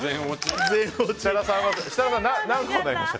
設楽さん、何個になりました？